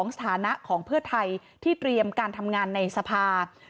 สถานะของเพื่อไทยที่เตรียมการทำงานในสภา